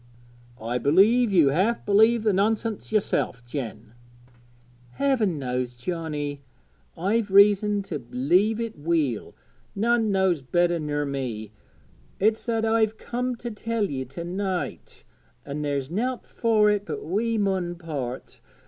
'I believe you half believe the nonsense yourself, Jen.' 'Heaven knows, Johnnie, I've reason to b'lieve it weel, none knows better ner me. It's that I've comed to tell ye to night; an' there's nowt fur it but we mun part.